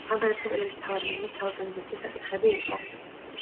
ამ გადაწყვეტილების მთავარი მიზეზი საორგანიზაციო საკითხები იყო.